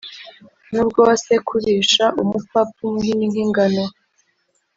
nubwo wasekurisha umupfapfa umuhini nk’ingano